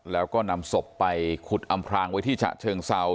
แล้วก็นำศพไปขุดอำพลางไว้ที่ฉะเชิงเซา